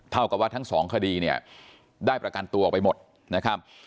เท่ากับว่าทั้งสองคดีเนี่ยได้ประกันตัวออกไปหมดนะครับ